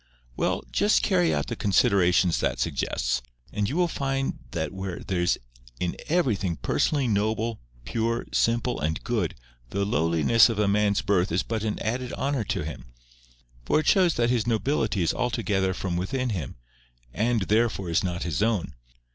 "Well, just carry out the considerations that suggests, and you will find that where there is everything personally noble, pure, simple, and good, the lowliness of a man's birth is but an added honour to him; for it shows that his nobility is altogether from within him, and therefore is his own.